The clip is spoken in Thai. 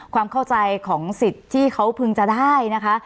ความเข้าใจของสิทธิ์ที่เขาพึงจะได้นะคะ